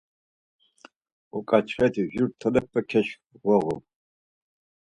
Uǩaçxeti juri tolepe keşǩvoğu.